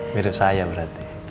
mirip saya berarti